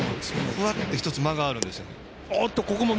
フワッと１つ、間があるんですよ。